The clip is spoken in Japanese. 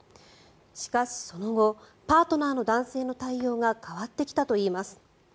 しかし、その後パートナーの男性の対応が変わってきたといいます。